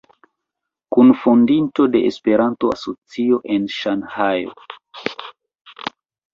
Kunfondinto de Esperanto Asocio en Ŝanhajo.